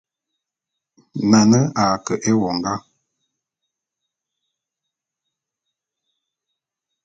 Nane a ke éwongá.